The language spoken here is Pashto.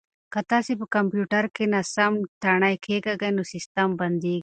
که تاسي په کمپیوټر کې ناسم تڼۍ کېکاږئ نو سیسټم بندیږي.